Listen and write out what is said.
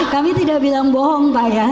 kami tidak bilang bohong pak ya